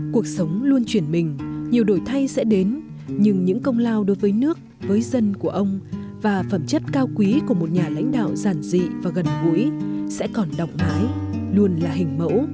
cuộc sống luôn chuyển mình nhiều đổi thay sẽ đến nhưng những công lao đối với nước với dân của ông và phẩm chất cao quý của một nhà lãnh đạo giản dị và gần gũi sẽ còn đọc mãi luôn là hình mẫu